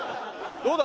どうだ？